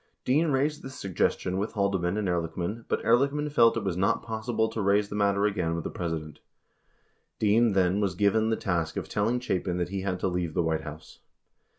Dean raised this suggestion with Halde man and Ehrlichman, but Ehrlichman felt it was not possible to raise the matter again with the President.™ Dean then was given the task of telling Chapin that he had to leave the White House.